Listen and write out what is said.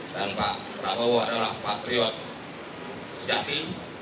dan pak kowo adalah patriot sejati